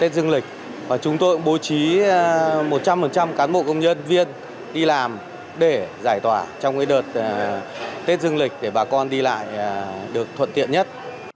tết dương lịch và chúng tôi bố trí một trăm linh cán bộ công nhân viên đi làm để giải tỏa trong đợt tết dương lịch để bà con đi lại được thuận tiện nhất